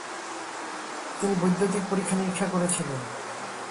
তিনি বৈদ্যুতিক পরীক্ষা-নিরীক্ষা করেছিলেন।